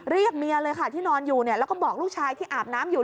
เรียกเมียเลยค่ะที่นอนอยู่แล้วก็บอกลูกชายที่อาบน้ำอยู่